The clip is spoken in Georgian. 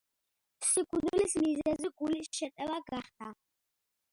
სიკვდილის მიზეზი გულის შეტევა გახდა.